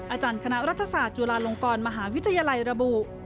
อาจารย์คณะรัฐศาสตร์จุฬาลงกรมหาวิทยาลัยระบุ